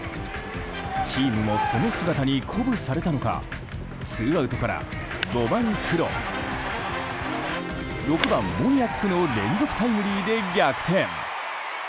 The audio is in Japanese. チームもその姿に鼓舞されたのかツーアウトから５番、クロン６番、モニアックの連続タイムリーで逆転。